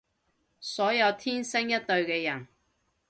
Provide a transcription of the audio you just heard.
所有天生一對嘅人